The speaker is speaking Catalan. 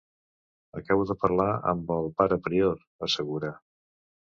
Acabo de parlar amb el pare prior, assegura.